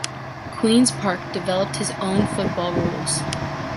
Queen’s Park developed his own football rules.